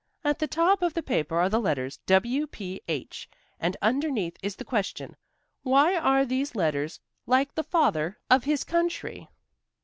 At the top of the paper are the letters W. P. H. and underneath is the question 'Why are these letters like the Father of his country?'"